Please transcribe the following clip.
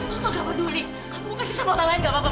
mama gak peduli kamu kasih sama orang lain gak apa apa